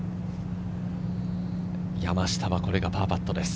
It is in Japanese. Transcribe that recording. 山下はこれがパーパットです。